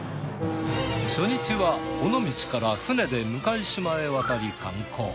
初日は尾道から船で向島へ渡り観光。